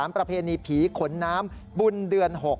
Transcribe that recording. ประเพณีผีขนน้ำบุญเดือน๖